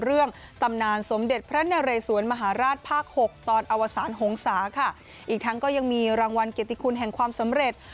ตำนานสมเด็จพระนเรสวนมหาราชภาคหกตอนอวสารหงษาค่ะอีกทั้งก็ยังมีรางวัลเกียรติคุณแห่งความสำเร็จ